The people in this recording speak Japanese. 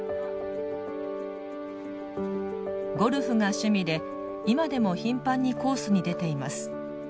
ゴルフが趣味で今でも頻繁にコースに出ています。